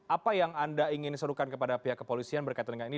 apa yang anda ingin serukan kepada pihak kepolisian berkaitan dengan ini